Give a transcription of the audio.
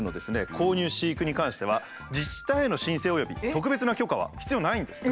購入飼育に関しては自治体への申請および特別な許可は必要ないんですって。